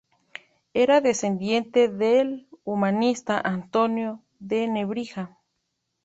Era descendiente del humanista Antonio de Nebrija.